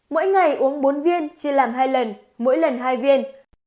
mỗi ngày uống bốn viên chia làm hai lần mỗi lần hai viên